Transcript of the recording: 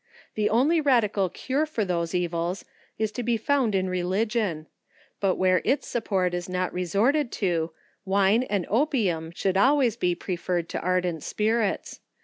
The only radical cure for those evils, is to be found in religion ; but where its support is not resorted to, wine and opium should al ways be preferred to ardent spirits.